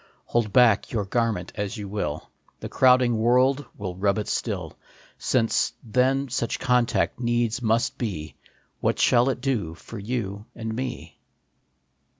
Hold back your garment as you will, The crowding world will rub it still. Then, since such contact needs must be, What shall it do for you and me